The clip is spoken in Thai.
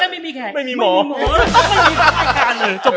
ไม่มีแขนไม่มีหมอ